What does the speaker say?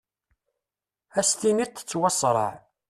As-tiniḍ tettwasraɛ.